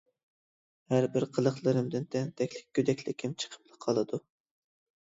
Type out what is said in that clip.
ھەر بىر قىلىقلىرىمدىن تەنتەكلىك، گۆدەكلىكىم چىقىپلا قالىدۇ.